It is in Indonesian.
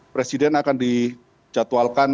presiden akan dicatualkan mengunjungi taman makam pahlawan kenya